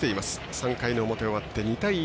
３回の表、終わって２対１。